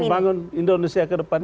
untuk membangun indonesia ke depan ini